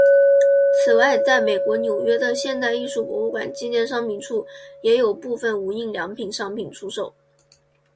此外在美国纽约的现代艺术博物馆纪念商品处也有部份无印良品商品出售。